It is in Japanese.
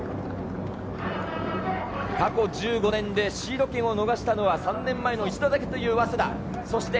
過去１５年でシード権を逃したのは３年前の一度だけという早稲田。